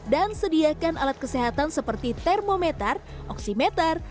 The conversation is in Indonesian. dan sediakan alat kesehatan seperti termometer oximeter